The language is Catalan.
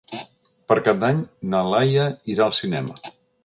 Per Cap d'Any na Laia irà al cinema.